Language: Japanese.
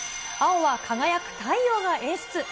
青は輝く太陽が演出！